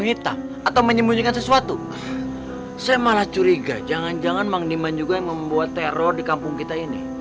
hitam atau menyembunyikan sesuatu saya malah curiga jangan jangan mang demand juga yang membuat teror di kampung kita ini